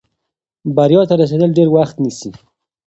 بریا ته رسېدل ډېر وخت نیسي.